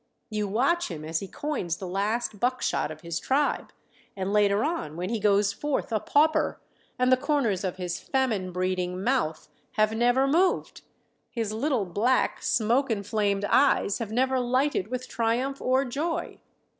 You watch him as he coins the last buckshot of his tribe and later on when he goes forth a pauper, and the corners of his famine breeding mouth have never moved, His little black, smoke inflamed eyes have never lighted with triumph or joy.